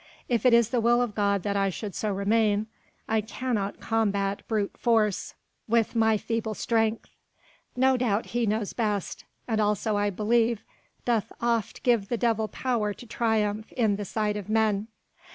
If it is the will of God that I should so remain, I cannot combat brute force with my feeble strength. No doubt He knows best! and also I believe doth oft give the devil power to triumph in the sight of men.